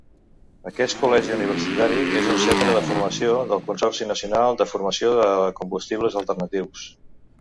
Aquest col·legi universitari és un centre de formació del Consorci Nacional de Formació de Combustibles Alternatius.